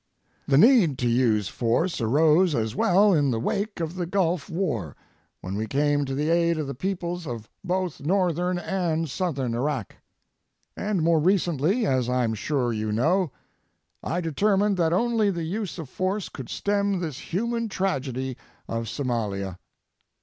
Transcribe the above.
The need to use force arose as well in the wake of the Gulf war, when we came to the aid of the peoples of both northern and southern Iraq. And more recently, as I'm sure you know, I determined that only the use of force could stem this human tragedy of Somalia.